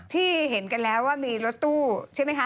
ที่เห็นกันแล้วว่ามีรถตู้ใช่ไหมคะ